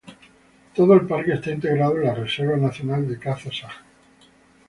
Todo el parque está integrado en la Reserva Nacional de Caza Saja.